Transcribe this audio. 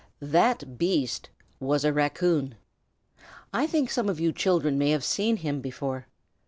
"That beast" was a raccoon. I think some of you children may have seen him before.